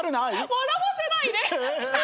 笑わせないで！